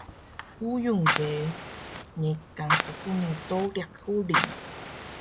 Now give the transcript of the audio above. uyung ge niqan qhuni doriq huling